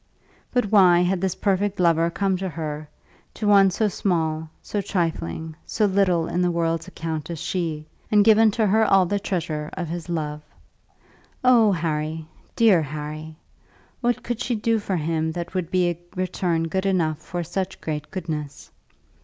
But why had this perfect lover come to her, to one so small, so trifling, so little in the world's account as she, and given to her all the treasure of his love? Oh, Harry, dear Harry! what could she do for him that would be a return good enough for such great goodness?